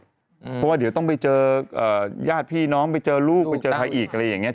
เพราะว่าเดี๋ยวต้องไปเจอญาติพี่น้องไปเจอลูกไปเจอใครอีกอะไรอย่างนี้